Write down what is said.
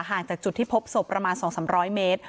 ห่างจากจุดที่พบศพประมาณสองสามร้อยเมตร